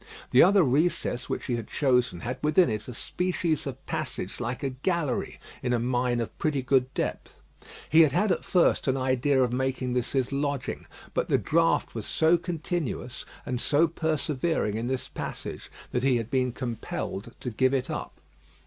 The other recess which he had chosen had within it a species of passage like a gallery in a mine of pretty good depth. He had had at first an idea of making this his lodging, but the draught was so continuous and so persevering in this passage that he had been compelled to give it up.